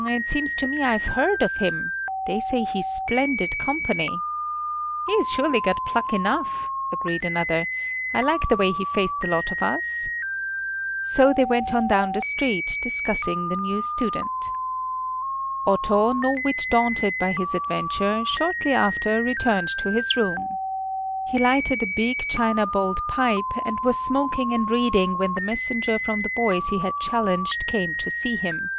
"It seems to me I've heard of him. They say he's splendid company." "He's surely got pluck enough," agreed another. "I like the way he faced the lot of us." So they went on down the street, discussing the new student. Otto, no whit daunted by his adventure, shortly after returned to his room. He lighted a big china bowled pipe, and was smoking and reading when the messenger from the boys he had challenged came to see him.